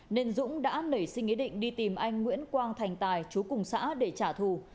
nên dũng đã nảy sinh ý định đi tìm anh nguyễn quang thành tài chú cùng xã để trả thù